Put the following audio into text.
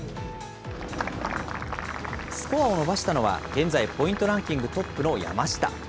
スコアを伸ばしたのは、現在、ポイントランキングトップの山下。